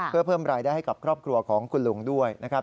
เพื่อเพิ่มรายได้ให้กับครอบครัวของคุณลุงด้วยนะครับ